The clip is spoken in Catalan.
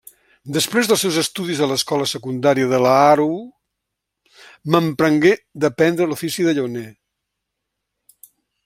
Després dels seus estudis a l'escola secundària d'Aarau, mamprengué d'aprendre l'ofici de llauner.